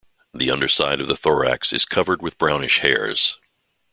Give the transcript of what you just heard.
The underside of the thorax is covered with brownish hairs.